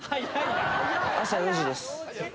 朝４時です。